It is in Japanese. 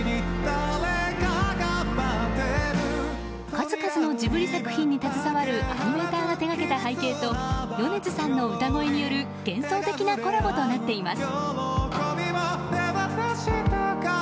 数々のジブリ作品に携わるアニメーターが手がけた背景と米津さんの歌声による幻想的なコラボとなっています。